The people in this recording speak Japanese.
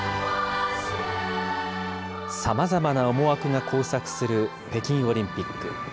さまざまな思惑が交錯する北京オリンピック。